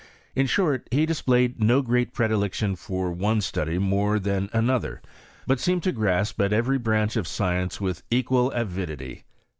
In short he dis played no great predilection for one study more than another, but seemed to grasp at every branch of acience with equal avidity.